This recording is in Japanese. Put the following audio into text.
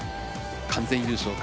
完全優勝か？